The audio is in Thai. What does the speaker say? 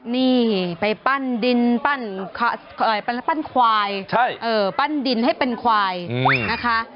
นี่ไปปั้นดินปั้นควายปั้นดินให้เป็นควายนะคะ